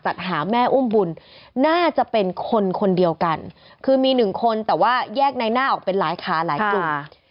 หาแม่อุ้มบุญน่าจะเป็นคนคนเดียวกันคือมีหนึ่งคนแต่ว่าแยกในหน้าออกเป็นหลายขาหลายกลุ่ม